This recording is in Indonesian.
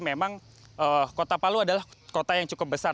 memang kota palu adalah kota yang cukup besar